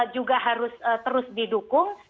juga harus terus didukung